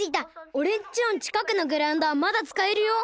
おれんちの近くのグラウンドはまだつかえるよ！